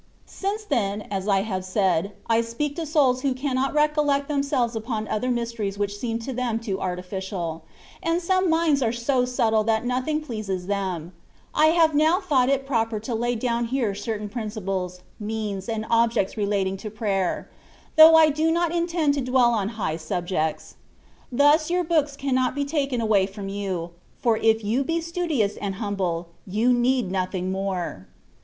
Since then, as I have said, I speak to souls who cannot recollect themselves upon other mysteries which seem to them too artificial; and some minds are so subtile that nothing pleases them, I have now thought it proper to lay down here certain principles, means, and objects relating to prayer, though I do not intend to dwell on high subjects. Thus your books cannot be taken away from you, for if you be studious and humble, you need nothing more.